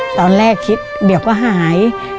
ตอนแรกคิดเดี๋ยวก็หาย